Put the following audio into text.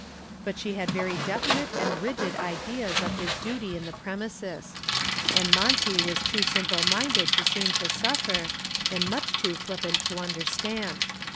But she had very definite and rigid ideas of his duty in the premises. And Monty was too simple minded to seem to suffer, and much too flippant to understand.